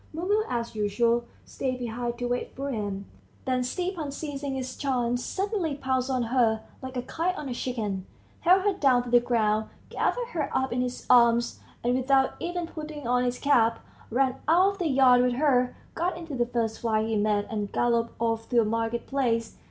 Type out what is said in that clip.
Mumu, as usual, stayed behind to wait for him. Then Stepan, seizing his chance, suddenly pounced on her, like a kite on a chicken, held her down to the ground, gathered her up in his arms, and without even putting on his cap, ran out of the yard with her, got into the first fly he met, and galloped off to a market place.